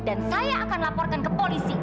dan saya akan laporkan ke polisi